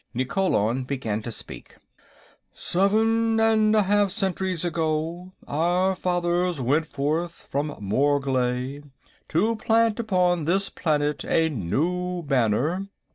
Nikkolon began to speak: "Seven and a half centuries ago, our fathers went forth from Morglay to plant upon this planet a new banner...."